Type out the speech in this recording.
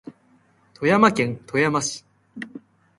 富山県富山市